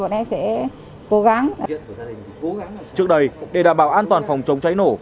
trước đây để đảm bảo an toàn phòng chống cháy nổ